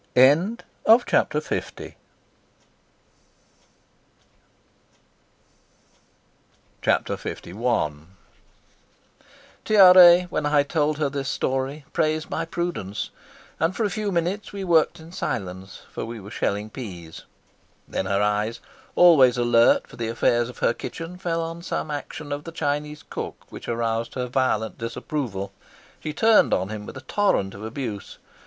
Chapter LI Tiare, when I told her this story, praised my prudence, and for a few minutes we worked in silence, for we were shelling peas. Then her eyes, always alert for the affairs of her kitchen, fell on some action of the Chinese cook which aroused her violent disapproval. She turned on him with a torrent of abuse.